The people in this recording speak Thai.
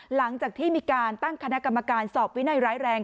หลังจากที่มีการตั้งคณะกรรมการสอบวินัยร้ายแรง